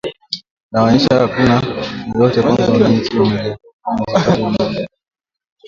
Inaonyesha hakuna shaka yoyote kwamba wananchi wamejiandaa kufanya chochote kinachohitajika ili kurejesha utu wao.